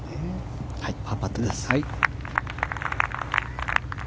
パーパットです。